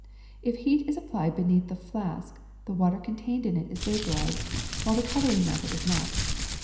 If heat is applied beneath the flask the water contained in it is vaporized, while the coloring matter is not.